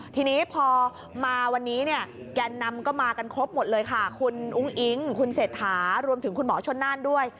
ทีนี้พอมาวันนี้เนี่ยแกนนำก็มากันครบหมดเลยค่ะคุณอุ้งอิ๊งคุณเศรษฐารวมถึงคุณหมอชนน่านด้วย